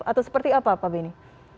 atau seperti apa pak beni